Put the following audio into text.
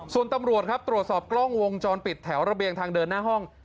ส่วนตำรวจครับตรวจสอบกล้องวงจรปิดแถวระเบียงทางเดินหน้าห้อง